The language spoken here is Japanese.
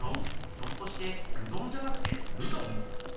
ひょっとしてうどんじゃなくてルドン？